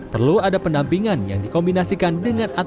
perlu ada penampingan yang dikombinasikan dengan penyelenggaraan sampah